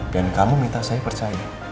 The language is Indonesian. dan kamu minta saya percaya